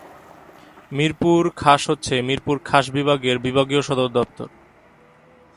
মিরপুর খাস হচ্ছে মিরপুর খাস বিভাগের বিভাগীয় সদর দপ্তর।